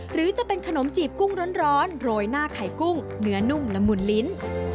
หรือจะเป็นขนมจีบกุ้งร้อนโรยหน้าไข่กุ้งเนื้อนุ่มละมุนลิ้น